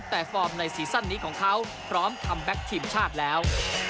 แต่ฟอร์มในซีซั่นนี้ของเขาพร้อมคัมแบ็คทีมชาติแล้ว